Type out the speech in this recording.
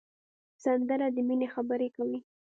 سندره د مینې خبرې کوي